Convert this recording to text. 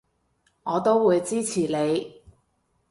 我都會支持你